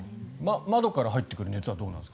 窓から入ってくる熱はどうなんですか？